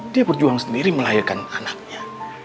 dia berjuang sendiri melahirkan anaknya